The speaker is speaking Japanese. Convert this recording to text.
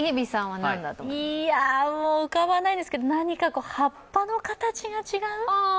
いや、もう浮かばないですけど葉っぱの形が違う？